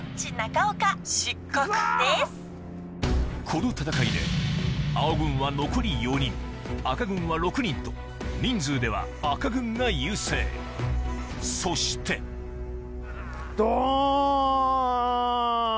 この戦いで青軍は残り４人赤軍は６人と人数では赤軍が優勢そしてどん！